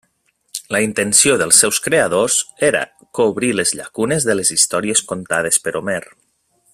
La intenció dels seus creadors era cobrir les llacunes de les històries contades per Homer.